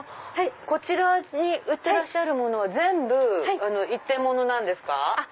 こちらに売ってらっしゃるものは全部一点物なんですか？